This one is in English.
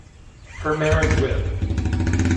Her marriage with.